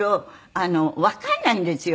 わかんないんですよ